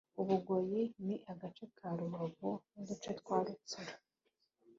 Ubugoyi Ni agace ka Rubau n’uduce twa Rutsiro